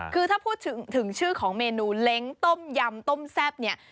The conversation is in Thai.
คือถ้าพูดถึงชื่อของเมนูเล้งต้มยำต้มแซ่บเนี่ย